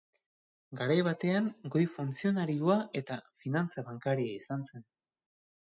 Garai batean, goi funtzionarioa eta finantza bankaria izan zen.